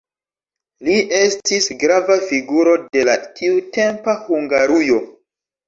Li estis grava figuro de la tiutempa Hungarujo.